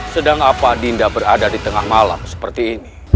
sedang apa dinda berada di tengah malam seperti ini